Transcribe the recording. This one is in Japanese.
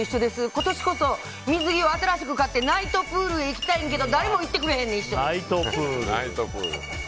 今年こそ水着を新しく買ってナイトプールへ行きたいんやけど誰も行ってくれへん。